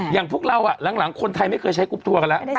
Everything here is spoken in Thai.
อย่างพวกเราหลังคนไทยไม่เคยใช้กรุ๊ปทัวร์กันแล้ว